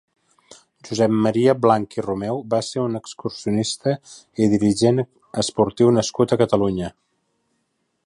Josep Maria Blanc i Romeu va ser un excursionista i dirigent esportiu nascut a Catalunya.